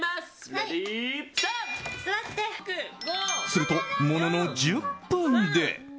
すると、ものの１０分で。